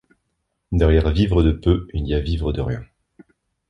Derrière vivre de peu, il y a vivre de rien.